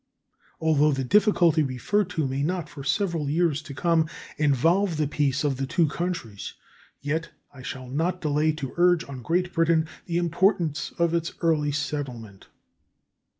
Although the difficulty referred to may not for several years to come involve the peace of the two countries, yet I shall not delay to urge on Great Britain the importance of its early settlement.